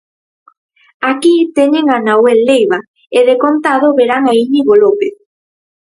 Aquí teñen a Nahuel Leiva e de contado verán a Íñigo López.